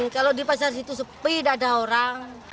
kalau di pasar situ sepi tidak ada orang